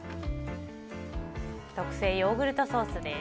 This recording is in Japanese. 特製ヨーグルトソースです。